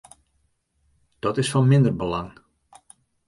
Dat is fan minder belang.